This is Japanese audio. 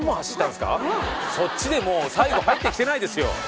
そっちでもう最後入ってきてないですよ